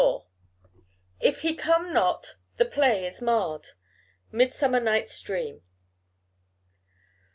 If he come not, the play is marred. _Midsummer Night's Dream.